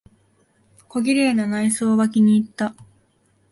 小綺麗な内装は気にいった。